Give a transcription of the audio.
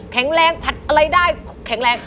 แข็งแรงผัดอะไรได้แข็งแรง